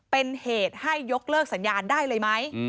เป็นเหตุให้ยกเลิกสัญญาณได้เลยไหม